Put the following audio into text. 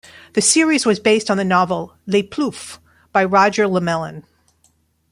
The series was based on the novel "Les Plouffe", by Roger Lemelin.